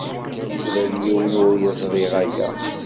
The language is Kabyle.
Ula d yiwen ur yeẓri aya.